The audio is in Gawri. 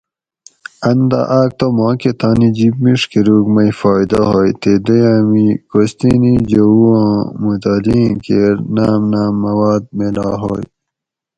ان دہ آۤک تہ ماکہ تانی جِب مِڄ کۤروگ مئی فائیدہ ہوئے تے دویاۤم ای کوستینی جؤو آں مطالعہ ایں کیر ناۤم ناۤم مواد میلا ہوئے